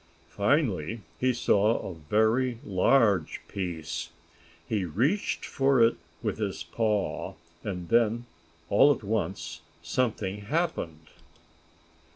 Finally he saw a very large piece. He reached for it with his paw, and then, all at once something happened.